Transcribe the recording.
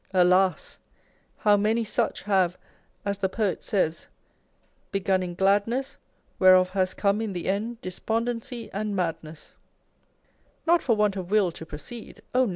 Alas ! how many such have, as the poet says, Begun in gladness ; Whereof has come in the end despondency and madness not for want of will to proceed, (oh